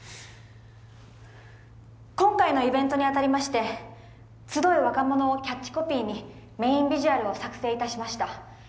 今回のイベントにあたりまして「集え若者」をキャッチコピーにメインビジュアルを作成いたしました